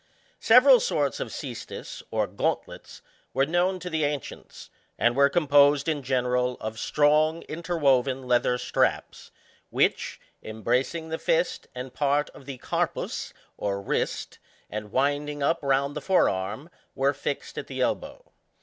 Several sorts of ceestuSy or gauntlets, were known to the ancients, and were composed in general of strong interwoven leather straps, which, embracing the fist and part of the carpus^ or wrist, and. winding up round the fore arm, were fixed at the elbow.